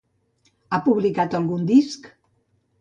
Ha publicat algun disc?